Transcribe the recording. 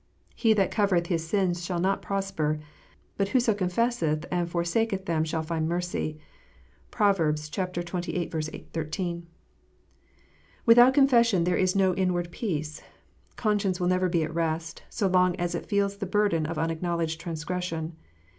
"He that covereth his sins shall not prosper : but whoso confesseth and forsaketh them shall find mercy." (Prov. xxviii. 13.) Without confession there is no inward peace. Conscience will never be at rest, so long as it feels the burden of unacknow ledged transgression.